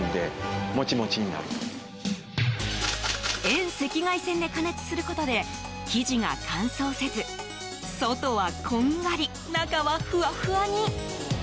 遠赤外線で加熱することで生地が乾燥せず外はこんがり、中はフワフワに。